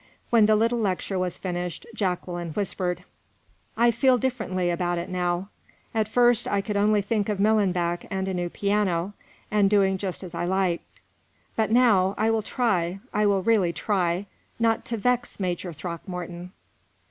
When the little lecture was finished, Jacqueline whispered: "I feel differently about it now. At first, I could only think of Millenbeck and a new piano, and doing just as I liked; but now, I will try I will really try not to vex Major Throckmorton."